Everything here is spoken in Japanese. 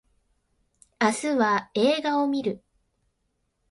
明日は映画を見る